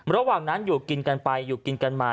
ระหว่างนั้นอยู่กินกันไปอยู่กินกันมา